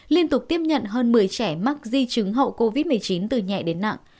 liên tục tiếp nhận hơn một mươi trẻ mắc di chứng hậu covid một mươi chín từ nhẹ đến nặng